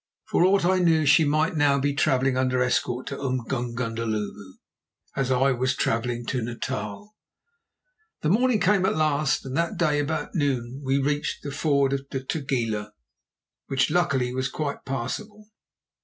For aught I knew she might now be travelling under escort to Umgungundhlovu, as I was travelling to Natal. The morning came at last, and that day, about noon, we reached a ford of the Tugela which luckily was quite passable.